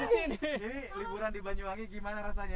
jadi liburan di banyuwangi gimana rasanya